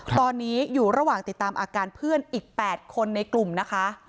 ตอนนี้อยู่ระหว่างติดตามอาการเพื่อนอีก๘คนในกลุ่มนะคะ